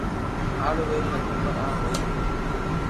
ھارو ويري ھگو پر آ ھوئي ڪوئي سگي